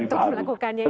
tidak perlu bikin dari baru